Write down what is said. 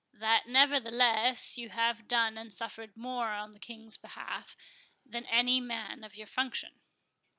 —"That, nevertheless, you have done and suffered more in the King's behalf than any man of your function."